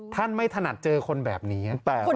ท่านไม่ถนัดเจอคนแบบนี้